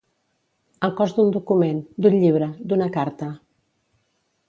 El cos d'un document, d'un llibre, d'una carta.